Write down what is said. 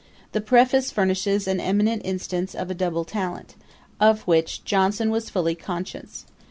The Preface furnishes an eminent instance of a double talent, of which Johnson was fully conscious.